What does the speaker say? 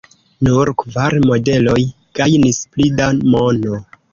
Nur kvar modeloj gajnis pli da mono.